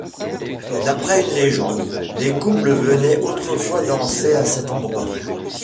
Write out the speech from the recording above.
D'après une légende, les couples venaient autrefois danser à cet endroit.